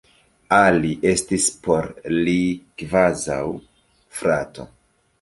Ali estis por li kvazaŭ frato.